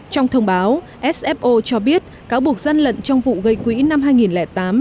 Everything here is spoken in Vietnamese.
trong thông báo sfo cho biết cáo buộc gian lận trong vụ gây quỹ năm hai nghìn tám